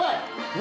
何？